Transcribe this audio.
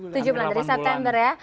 tujuh belas dari september ya